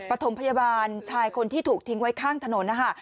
ปฐมพยาบาลชายคนที่ถูกทิ้งไว้ข้างถนนนะคะ